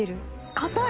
硬い！